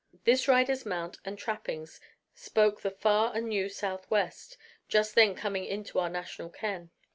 This rider's mount and trappings spoke the far and new Southwest, just then coming into our national ken.